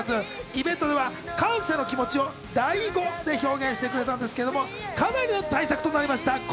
イベントでは感謝の気持ちをＤＡＩ語で表現してくれたんですけれどもかなりの大作となりました。